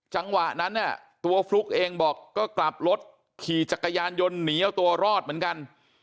จังหวะนั้นเนี่ยตัวฟลุ๊กเองบอกก็กลับรถขี่จักรยานยนต์หนีเอาตัวรอดเหมือนกัน